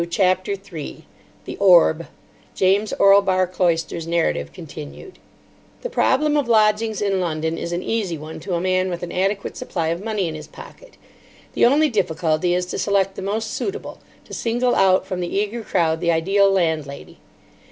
CHAPTER 3 THE ORB (James Orlebar Cloyster's narrative continued) The problem of lodgings in London is an easy one to a man with an adequate supply of money in his pocket. The only difficulty is to select the most suitable, to single out from the eager crowd the ideal landlady.